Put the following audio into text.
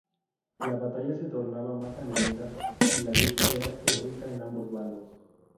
La batalla se tornaba más sangrienta y la lucha era heroica en ambos bandos.